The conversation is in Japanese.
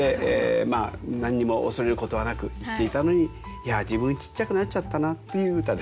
何にも恐れることはなく行っていたのにいや自分ちっちゃくなっちゃったなっていう歌です。